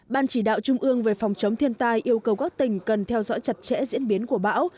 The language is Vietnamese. ban chỉ đạo trung ương về phòng chống thiên tai yêu cầu các tỉnh cần theo dõi chặt chẽ diễn biến của bão